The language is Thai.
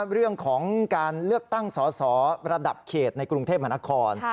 เรื่องของการเลือกตั้งสอสอระดับเขตในกรุงเทพมหานคร